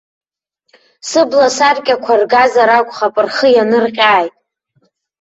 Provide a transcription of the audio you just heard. Сыбласаркьақәа ргазар акәхап, рхы ианырҟьааит.